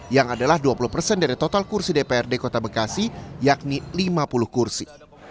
yang adalah dua puluh persen dari total kursi dprd kota bekasi yakni lima puluh kursi